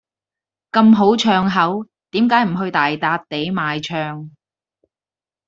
咁好唱口，點解唔去大笪地賣唱。